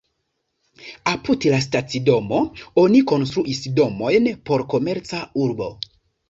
Apud la stacidomo oni konstruis domojn por komerca urbo.